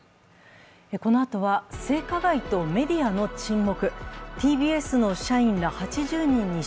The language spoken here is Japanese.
このあとは、性加害とメディアの沈黙。